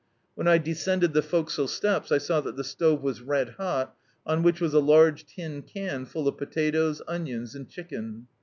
When I descended the forecastle steps, I saw that the stove was red hot, on whidi was a large tin can full of potatoes, onions and chicken.